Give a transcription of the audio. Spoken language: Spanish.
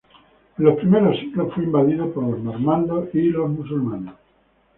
En los primeros siglos fue invadido por los normandos y los musulmanes.